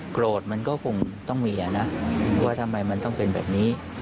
โกรธมันก็คงต้องมีนะว่าทำไมมันต้องเป็นแบบนี้